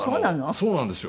そうなんですよ。